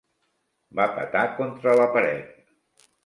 Va petar contra la paret.